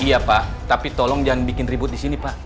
iya pak tapi tolong jangan bikin ribut disini pak